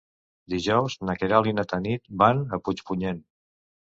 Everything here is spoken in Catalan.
Dijous na Queralt i na Tanit van a Puigpunyent.